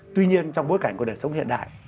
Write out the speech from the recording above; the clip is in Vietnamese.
tuy nhiên trong bối cảnh của đời sống hiện đại